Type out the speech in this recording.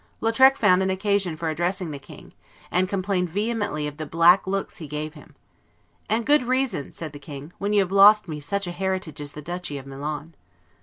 Lautrec found an occasion for addressing the king, and complained vehemently of "the black looks he gave him." "And good reason," said the king, "when you have lost me such a heritage as the duchy of Milan."